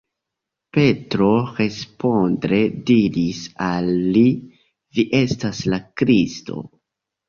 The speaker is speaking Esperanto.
Petro responde diris al li: Vi estas la Kristo.